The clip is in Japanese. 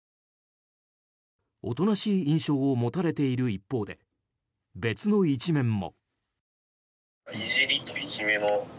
おとなしい印象を持たれている一方で、別の一面も。